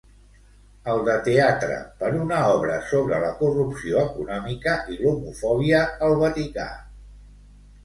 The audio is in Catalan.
El de teatre, per una obra sobre la corrupció econòmica i l'homofòbia al Vaticà.